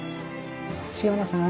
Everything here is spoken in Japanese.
塩野さん